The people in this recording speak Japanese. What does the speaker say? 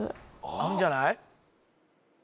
あるんじゃない？